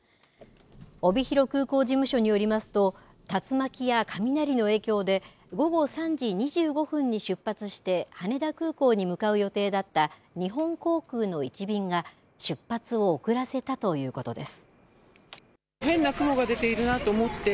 帯広空港事務所によりますと、竜巻や雷の影響で、午後３時２５分に出発して、羽田空港に向かう予定だった日本航空の１便が、出発を遅らせたということです。